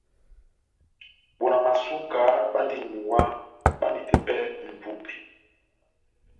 Bona Masuka bandi n’nyuwá, bandi tepɛ mʼpupɛ.